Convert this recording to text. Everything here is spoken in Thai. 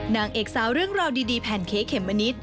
นางเอกสาวเรื่องราวดีแพนเค้กเขมมะนิด